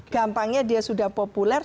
gampangnya dia sudah populer